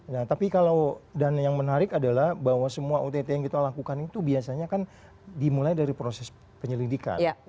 nah tapi kalau dan yang menarik adalah bahwa semua ott yang kita lakukan itu biasanya kan dimulai dari proses penyelidikan